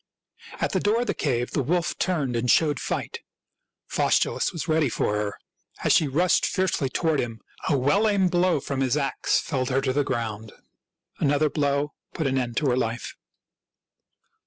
At the door of the cave the wolf turned and showed fight. Faustulus was ready for her. As she rushed fiercely toward him, a well aimed blow from his ax felled her to the ground; an other blow put an end to her life.